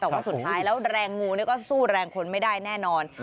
แต่ว่าสุดท้ายแล้วแรงงูนี่ก็สู้แรงคนไม่ได้แน่นอน